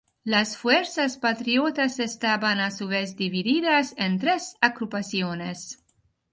Las fuerzas patriotas estaban a su vez divididas en tres agrupaciones.